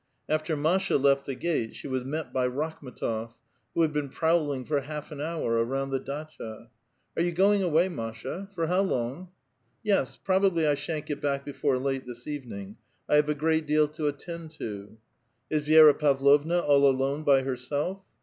After Masha left the gate, she was met by Rakhm^tof, who had been prowling for half an hour around the datcha, '' Are 3'ou going away, Masha? For long? "" Yes ; probably I shan't get back before late this even ing ; I have a great deal to attend to." '' Is Vi^ra Pavlovna all alone by herself?"